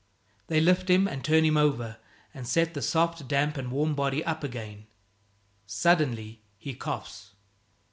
They lift him and turn him over, and set the soft, damp and warm body up again. Suddenly he coughs.